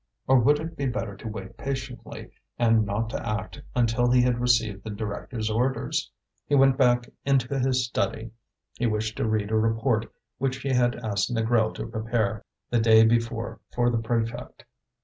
or would it be better to wait patiently, and not to act until he had received the directors' orders? He went back into his study; he wished to read a report which he had asked Négrel to prepare the day before for the prefect.